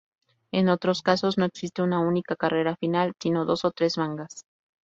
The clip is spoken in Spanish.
En otros casos, no existe una única carrera final, sino dos o tres mangas.